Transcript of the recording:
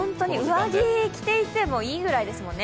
上着、着ていてもいいぐらいですものね。